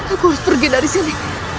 aku harus pergi dari sini